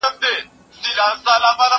زه به سبا ليک لولم وم؟!